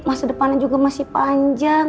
masa depannya juga masih panjang